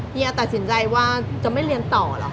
เฮียตัดสินใจว่าจะไม่เรียนต่อเหรอ